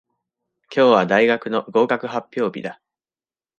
今日は大学の合格発表日だ。